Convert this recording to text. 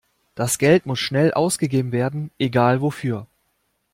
Das Geld muss schnell ausgegeben werden, egal wofür.